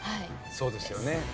そうですよね。